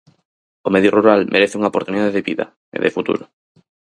O medio rural merece unha oportunidade de vida, e de futuro.